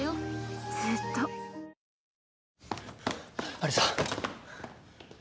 有沙。